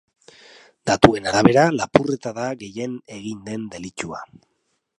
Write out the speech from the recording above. Datuen arabera, lapurreta da gehien egin den delitua.